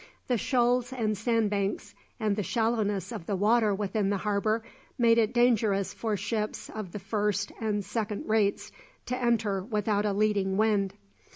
The shoals and sand banks, and the shallowness of the water within the harbour, made it dangerous for ships of the first and second rates to enter without a leading wind.